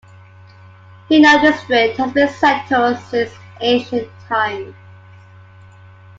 Hino District has been settled since ancient times.